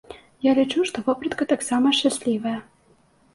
Я лічу, што вопратка таксама шчаслівая.